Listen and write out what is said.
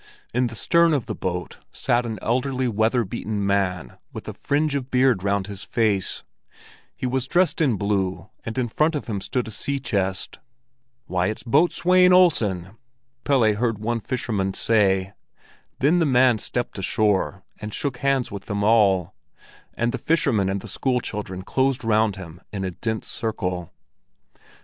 In the stern of the boat sat an elderly, weather beaten man with a fringe of beard round his face; he was dressed in blue, and in front of him stood a sea chest. "Why, it's Boatswain Olsen!" Pelle heard one fisherman say. Then the man stepped ashore, and shook hands with them all; and the fisherman and the school children closed round him in a dense circle.